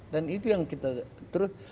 dan itu yang kita terus